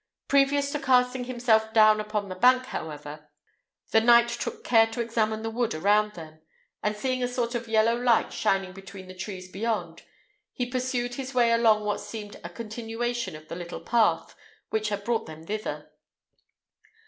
Previous to casting himself down upon the bank, however, the knight took care to examine the wood around them; and seeing a sort of yellow light shining between the trees beyond, he pursued his way along what seemed a continuation of the little path which had brought them thither.